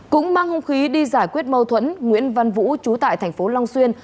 cũng mang hung khí đi giải quyết mâu thuẫn nguyễn văn vũ chú tại tp long xuyên